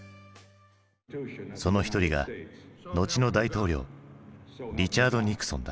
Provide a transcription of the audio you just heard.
その一人が後の大統領リチャード・ニクソンだ。